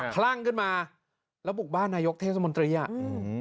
คลั่งขึ้นมาแล้วบุกบ้านนายกเทศมนตรีอ่ะอืม